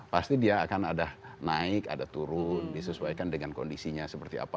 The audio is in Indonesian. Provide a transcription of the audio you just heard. pasti dia akan ada naik ada turun disesuaikan dengan kondisinya seperti apa